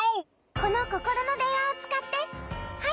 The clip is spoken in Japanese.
このココロのでんわをつかってはい。